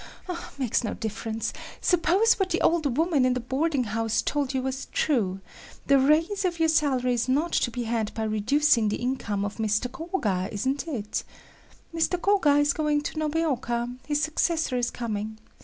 "Makes no difference,—suppose what the old woman in the boarding house told you was true, the raise of your salary is not to be had by reducing the income of Mr. Koga, is it? Mr. Koga is going to Nobeoka; his successor is coming.